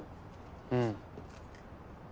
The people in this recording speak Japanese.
うん。